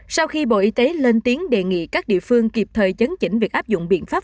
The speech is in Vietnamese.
sau khi bộ y tế lên tiếng đề nghị các địa phương kịp thời chấn chỉnh việc áp dụng biện pháp